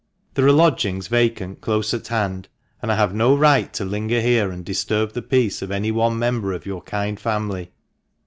There are lodgings vacant close at hand ; and I have no right to linger here and disturb the peace of any one member of your kind family."